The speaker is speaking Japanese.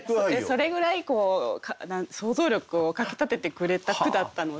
それぐらい想像力をかきたててくれた句だったので。